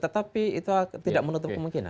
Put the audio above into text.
tetapi itu tidak menutup kemungkinan